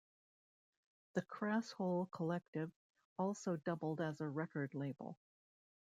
The Crasshole Collective also doubled as a record label.